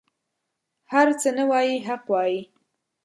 هر څه نه وايي حق وايي.